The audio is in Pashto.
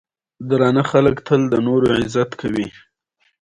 په اربکي نارینتوب په زور د پنجاب له ملیشو سره جګړه کوي.